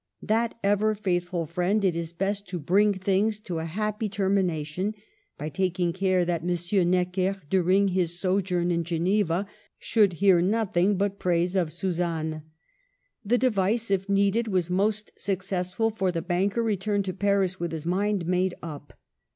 That ever faithful friend did his best to bring things to a happy termination, by taking care that M. Necker, during his sojourn in Geneva, should hear nothing but praise of Suzanne. The device, if needed, was most successful ; for the banker returned to Paris with his mind made up.